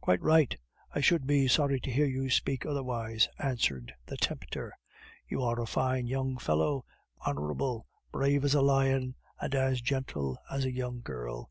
"Quite right; I should be sorry to hear you speak otherwise," answered the tempter. "You are a fine young fellow, honorable, brave as a lion, and as gentle as a young girl.